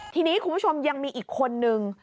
ทีนี้คุณผู้ชมยังมีอีกคนนึง